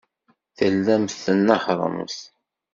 Tellamt tnehhṛemt.